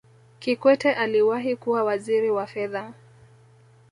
kikwete aliwahi kuwa waziri wa fedha